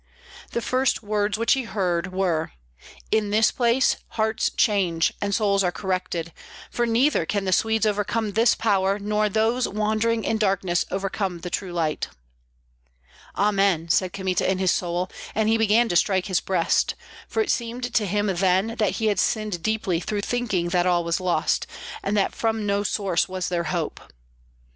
The first words which he heard were: "In this place hearts change and souls are corrected, for neither can the Swedes overcome this power, nor those wandering in darkness overcome the true light!" "Amen!" said Kmita in his soul, and he began to strike his breast; for it seemed to him then that he had sinned deeply through thinking that all was lost, and that from no source was there hope.